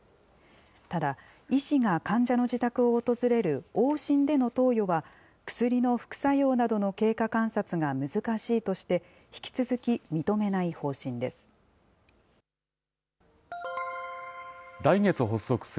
ただ、医師が患者の自宅を訪れる往診での投与は、薬の副作用などの経過観察が難しいとして、引き続き認めない方針です。